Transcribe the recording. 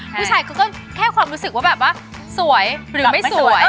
ผู้ชายเขาก็แค่ความรู้สึกว่าแบบว่าสวยหรือไม่สวย